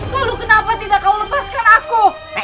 lalu kenapa tidak kau lepaskan aku